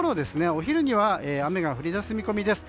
お昼には雨が降り出す見込みです。